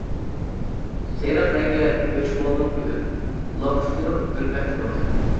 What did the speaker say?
سېرىق رەڭگە ئۆچ بولدۇم بۈگۈن، لامپۇچكىنىڭ ئۆلمەكتە نۇرى.